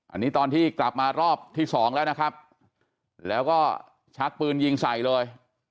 อันนี้ตอนที่กลับมารอบที่สองแล้วนะครับแล้วก็ชักปืนยิงใส่เลย